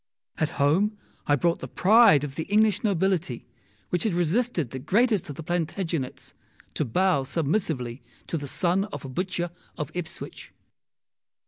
At home I brought the pride of the English nobility, which had resisted the greatest of the Plantagenets, to bow submissively to the son of a butcher of Ipswich.